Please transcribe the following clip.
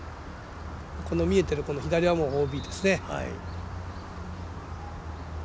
見えている左はＯＢですね。